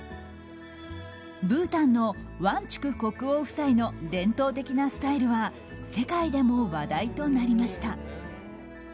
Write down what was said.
ブータンのワンチュク国王夫妻の伝統的なスタイルは世界でも話題となりました。